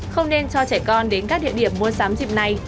không nên cho trẻ con đến các địa điểm mua sắm dịp này